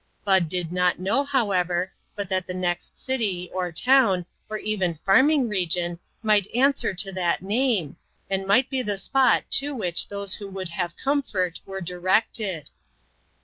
Bud did not know, however, but that the next city, or town, or even farming region might answer to that name, and might be the spot to which those who would have comfort were directed.